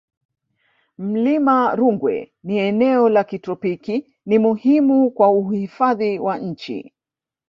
mlima rungwe ni eneo la kitropiki ni muhimu kwa uhifadhi wa nchi